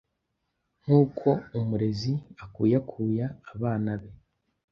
nkuko umurezi akuyakuya abana be.